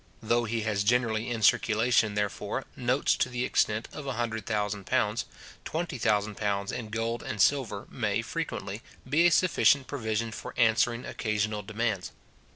Though he has generally in circulation, therefore, notes to the extent of a hundred thousand pounds, twenty thousand pounds in gold and silver may, frequently, be a sufficient provision for answering occasional demands.